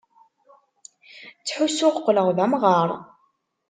Ttḥussuɣ qqleɣ d amɣaṛ.